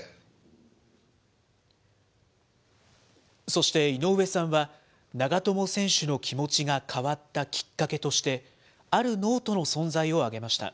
そして、井上さんは、長友選手の気持ちが変わったきっかけとして、あるノートの存在を挙げました。